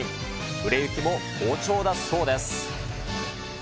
売れ行きも好調だそうです。